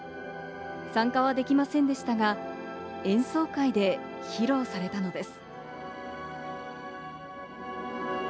参加はできませんでしたが、演奏会で披露されたのです。